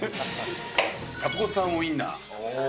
タコさんウインナー。